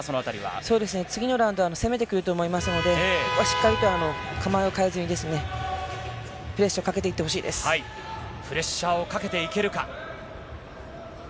次のラウンドは攻めてくると思いますので、ここはしっかりと構えを変えずにプレッシャーをかけていってほしプレッシャーをかけていけるか。